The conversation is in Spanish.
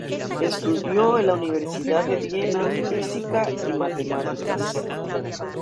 Estudió en la Universidad de Viena física y matemáticas.